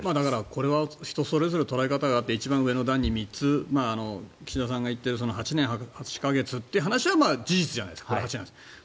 これは人それぞれ捉え方があって一番上の段に３つあって岸田さんが言っている８年８か月というのは事実じゃないですか。